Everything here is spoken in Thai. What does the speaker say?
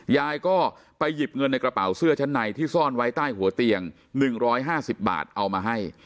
ยายก็ไปหยิบเงินในกระเป๋าเสื้อชั้นในที่ซ่อนไว้ใต้หัวเตียง๑๕๐บาทเอามาให้